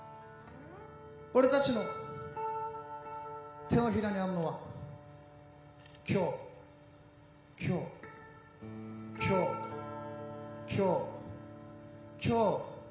俺たちの手のひらにあるのは今日今日今日今日今日。